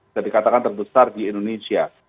jadi katakan terbesar di indonesia